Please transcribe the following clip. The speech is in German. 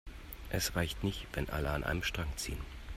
Es reicht nicht, wenn alle an einem Strang ziehen.